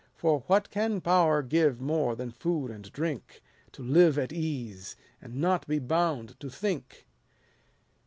For what can power give more than food and drink, To live at ease, and not be bound to think 1 1 72 dryden's poems.